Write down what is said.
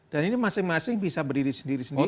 dan ini masing masing bisa berdiri sendiri sendiri